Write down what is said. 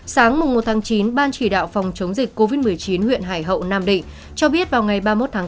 sáng mùa một tháng chín ban chỉ đạo phòng chống dịch covid một mươi chín huyện hải hậu nam định cho biết vào ngày ba mươi một tháng tám